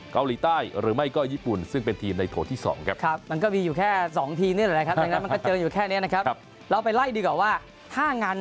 เกาหลีใต้หรือไม่ก็ญี่ปุ่น